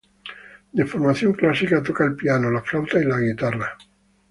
De formación clásica, toca el piano, la flauta y la guitarra.